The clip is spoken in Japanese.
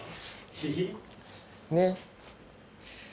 ねっ。